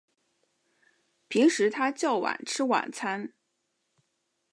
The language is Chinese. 平时他较晚吃晚餐